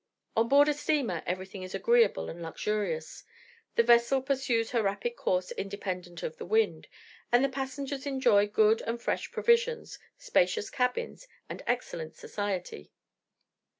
On board a steamer everything is agreeable and luxurious; the vessel pursues her rapid course independent of the wind, and the passengers enjoy good and fresh provisions, spacious cabins, and excellent society.